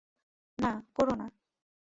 না, করো না!